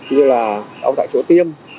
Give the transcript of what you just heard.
như là đau tại chỗ tiêm